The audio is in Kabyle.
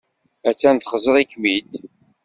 Attan txeẓẓer-ikem-id.